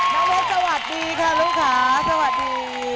น้องรถสวัสดีค่ะลูกค่ะสวัสดี